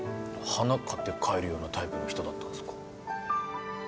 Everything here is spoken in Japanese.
花買って帰るようなタイプの人だったんすか？